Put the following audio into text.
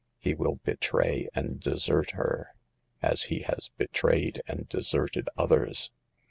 He will betray and desert her, as he has be trayed and deserted others.